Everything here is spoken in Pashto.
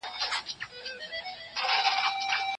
هغه جاسوس چي نيول سوی و ځان يې واژه.